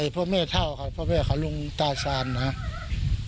พ่อเม่เท่าค่ะพ่อเม่ค่ะลุงตาสานนะครับ